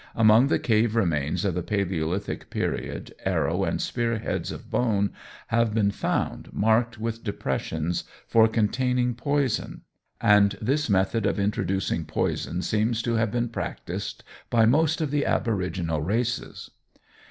Among the cave remains of the palæolithic period, arrow and spear heads of bone have been found marked with depressions for containing poison, and this method of introducing poison seems to have been practised by most of the aboriginal races.